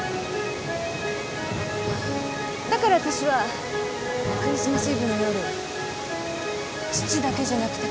だからあたしはクリスマスイブの夜父だけじゃなくて家族みんなを。